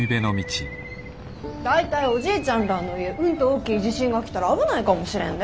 大体おじいちゃんらぁの言ううんと大きい地震が来たら危ないかもしれんで。